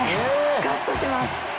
スカッとします！